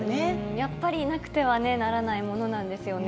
やっぱりなくてはならないものなんですよね。